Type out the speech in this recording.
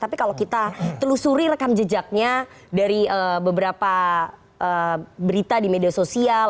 tapi kalau kita telusuri rekam jejaknya dari beberapa berita di media sosial